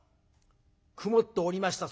曇っておりました